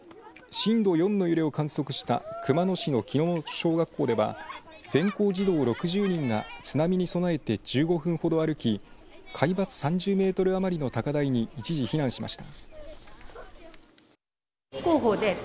震度４の揺れを観測した熊野市の木本小学校では全校児童６０人が津波に備えて１５分ほど歩き海抜３０メートル余りの高台に一時避難しました。